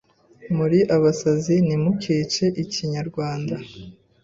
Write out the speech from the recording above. muri aba sazi nimukice icyinyarwanda